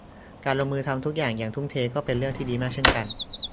การลงมือทำทุกอย่างอย่างทุ่มเทก็เป็นเรื่องที่ดีมากเช่นกัน